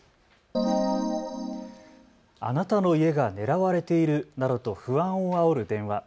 あなたの家が狙われているなどと不安をあおる電話。